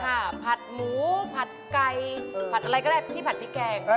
ผัดหมูผัดไก่ผัดอะไรก็ได้ที่ผัดพริกแกง